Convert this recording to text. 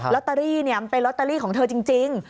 ตเตอรี่มันเป็นลอตเตอรี่ของเธอจริง